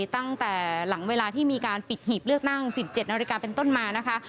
ตั้งแต่หลังเวลาที่มีการปิดหีบเลือกตั้ง๑๗นาฬิกาเป็นต้นมานะคะ